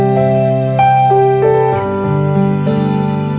ในครอบครัว